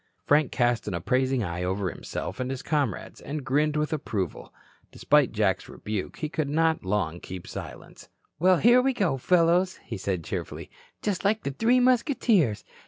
Frank cast an appraising eye over himself and his comrades, and grinned with approval. Despite Jack's rebuke, he could not long keep silence. "Well, here we go, fellows," he said cheerfully, "just like the Three Musketeers.